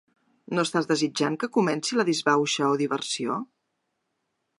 No estàs desitjant que comenci la disbauxa o diversió?